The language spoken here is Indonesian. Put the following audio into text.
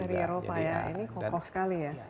ini kokoh sekali ya